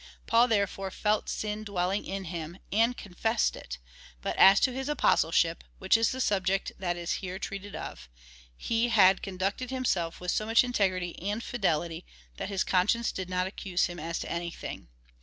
Paul, therefore, felt sin dwell ing in him, and confessed it ; but as to his apostleship, (which is the subject that is here treated of,) he had con ducted himself with so much integrity and fidelity, that his conscience did not accuse him as to anything.